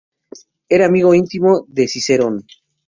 Era amigo íntimo de Cicerón.